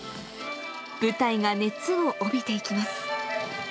舞台が熱を帯びていきます。